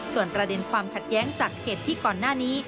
ส่วนประเด็นความขัดแย้งจากเหตุที่ก่อนหน้านี้